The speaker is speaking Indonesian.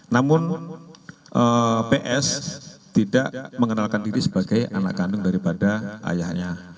namun ps tidak mengenalkan diri sebagai anak kandung daripada ayahnya